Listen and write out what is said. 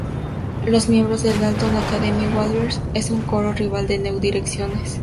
Los miembro del Dalton Academy Warblers, es un coro rival de New Direcciones.